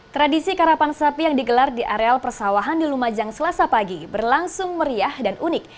tradisi karapan sapi yang digelar di areal persawahan di lumajang selasa pagi berlangsung meriah dan unik